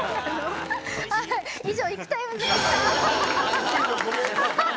以上「ＩＫＵＴＩＭＥＳ」でした。